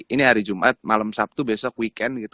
ini hari jumat malam sabtu besok weekend gitu